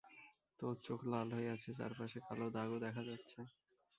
তোর চোখ লাল হয়ে আছে, চারপাশে কালো দাগও দেখা যাচ্ছে।